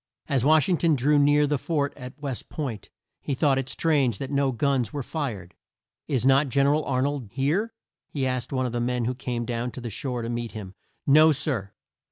As Wash ing ton drew near the fort at West Point, he thought it strange that no guns were fired. "Is not Gen er al Ar nold here?" he asked of the man who came down to the shore to meet him. "No, sir.